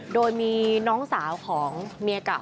โดยมีน้องสาวของเมียเก่า